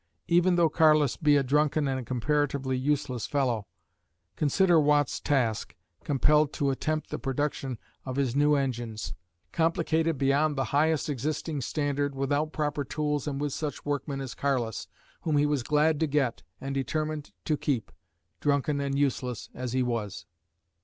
"even though Carless be a drunken and comparatively useless fellow." Consider Watt's task, compelled to attempt the production of his new engines, complicated beyond the highest existing standard, without proper tools and with such workmen as Carless, whom he was glad to get and determined to keep, drunken and useless as he was.